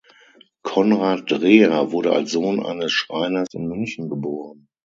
Konrad Dreher wurde als Sohn eines Schreiners in München geboren.